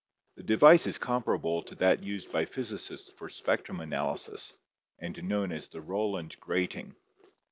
The device is comparable to that used by physicists for spectrum analysis, and known as the Rowland grating.